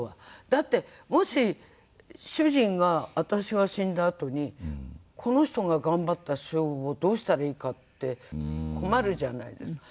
だってもし主人が私が死んだあとに「この人が頑張った賞をどうしたらいいか」って困るじゃないですか。